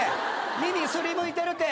耳擦りむいてるて！